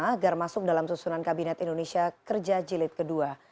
agar masuk dalam susunan kabinet indonesia kerja jilid ii